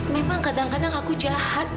memang kadang kadang aku jahat